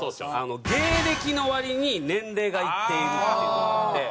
「芸歴の割に年齢がいっている」っていうのがあって。